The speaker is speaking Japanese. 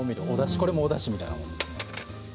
これもおだしみたいなものですね。